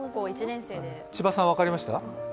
千葉さん分かりました？